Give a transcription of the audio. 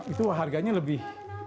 itu harganya lebih